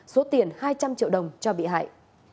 số tiền hai trăm linh triệu đồng cho bị hại